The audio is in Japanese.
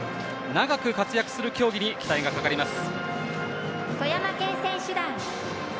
長く活躍する競技に期待がかかります。